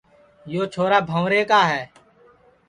یو چھورا بھنٚورے کا ہے